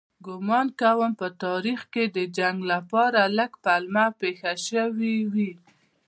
ګومان کوم په تاریخ کې د جنګ لپاره لږ پلمه پېښه شوې وي.